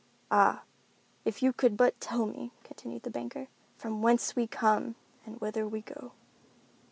"Ah, if you could but tell me," continued the banker, "from whence we come, and whither we go?"